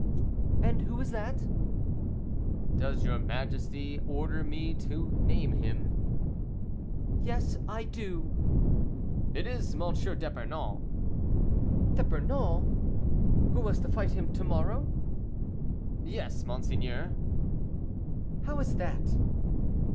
"And who is that?" "Does your highness order me to name him?" "Yes, I do." "It is M. d'Epernon." "D'Epernon! who was to fight him to morrow?" "Yes, monseigneur." "How is that?"